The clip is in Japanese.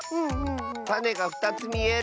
たねが２つみえる。